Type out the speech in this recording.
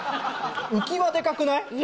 浮き輪でかくない？